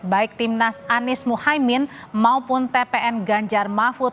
baik timnas anies muhaymin maupun tpn ganjar mahfud